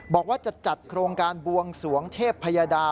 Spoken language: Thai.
บอกว่าจะจัดโครงการบวงสวงเทพยดา